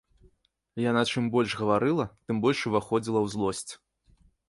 Яна чым больш гаварыла, тым больш уваходзіла ў злосць.